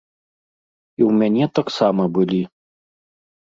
І ў мяне таксама былі.